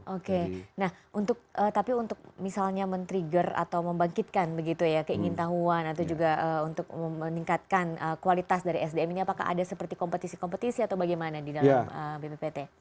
oke tapi untuk misalnya men trigger atau membangkitkan begitu ya keingin tahuan atau juga untuk meningkatkan kualitas dari sdm ini apakah ada seperti kompetisi kompetisi atau bagaimana di dalam bppt